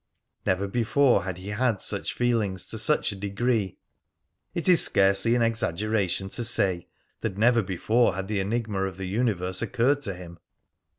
Never before had he had such feelings to such a degree. It is scarcely an exaggeration to say that never before had the enigma of the universe occurred to him.